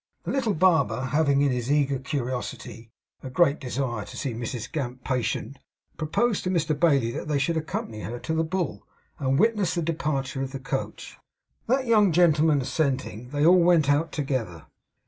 The little barber having in his eager curiosity a great desire to see Mrs Gamp's patient, proposed to Mr Bailey that they should accompany her to the Bull, and witness the departure of the coach. That young gentleman assenting, they all went out together.